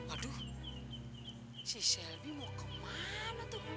aduh si selby mau kemana tuh